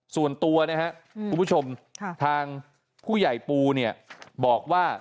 ส่วนตัวนะครับคุณผู้ชมทางผู้ใหญ่ปูเนี่ยบอกว่า